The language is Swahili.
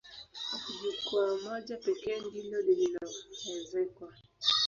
Jukwaa moja pekee ndilo lililoezekwa.